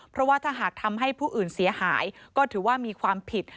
เพราะว่าถ้าหากทำให้ผู้อื่นเสียหายก็ถือว่ามีความผิด